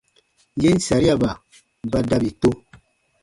Yen sariaba ba dabi to.